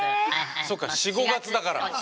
そうか４５月だから。